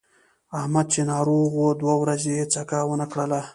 احمد چې ناروغ و دوه ورځې یې څکه ونه کړله.